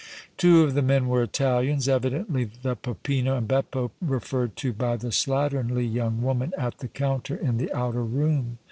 Two of the men were Italians, evidently the Peppino and Beppo referred to by the slatternly young woman at the counter in the outer room.